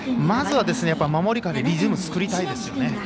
まずは、守りからリズムを作りたいですね。